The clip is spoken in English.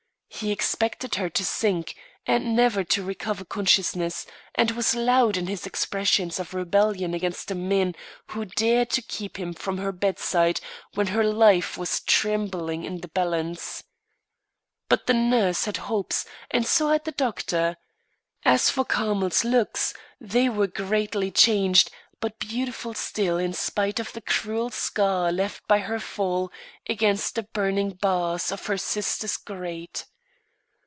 He expected her to sink and never to recover consciousness, and was loud in his expressions of rebellion against the men who dared to keep him from her bedside when her life was trembling in the balance. But the nurse had hopes and so had the doctor. As for Carmel's looks, they were greatly changed, but beautiful still in spite of the cruel scar left by her fall against the burning bars of her sister's grate.